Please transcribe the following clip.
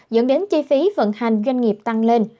dẫn đến chi phí vận hành doanh nghiệp tăng lên